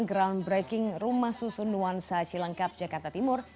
groundbreaking rumah susun nuansa cilangkap jakarta timur